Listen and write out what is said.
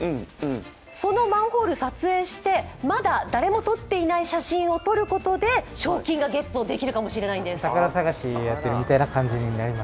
そのマンホールを撮影してまだ、誰も撮っていない写真を撮ることで商品をゲットできるかもしれないんです。